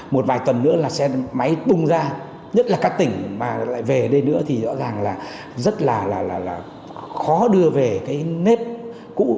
một vài tuần nữa là xe máy bung ra nhất là các tỉnh mà lại về đây nữa thì rõ ràng là rất là khó đưa về cái nếp cũ